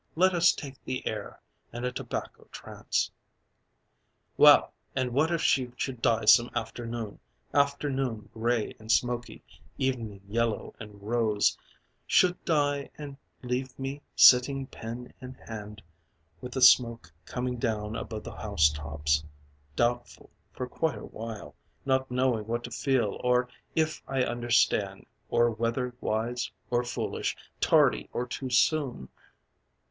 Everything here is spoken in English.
Let us take the air, in a tobacco trance Well! and what if she should die some afternoon, Afternoon grey and smoky, evening yellow and rose; Should die and leave me sitting pen in hand With the smoke coming down above the housetops; Doubtful, for quite a while Not knowing what to feel or if I understand Or whether wise or foolish, tardy or too soon...